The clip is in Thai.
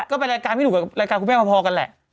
๒๓ครั้ง๔ครั้งเหมือนกันแหละ